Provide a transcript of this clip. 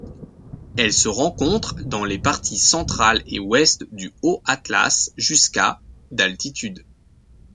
Elle se rencontre dans les parties centrales et ouest du Haut Atlas, jusqu'à d'altitude.